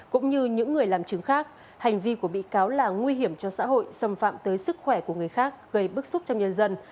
cũng như những người làm chứng khác hành vi của bị cáo là nguy hiểm cho xã hội xâm phạm tới sức khỏe của người khác gây bức xúc trong nhân dân